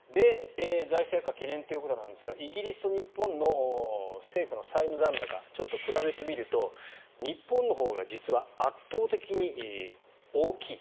財政悪化懸念ということですがイギリスと日本の政府の債務残高を比べてみると日本のほうが実は圧倒的に大きい。